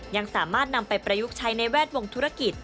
ยังสามารถนำไปประยุกต์ใช้ในแวดวงธุรกิจ